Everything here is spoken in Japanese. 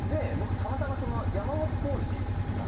たまたま山本耕史さん